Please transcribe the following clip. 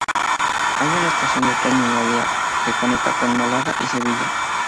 Hay una estación de tren en la aldea que conecta con Málaga y Sevilla.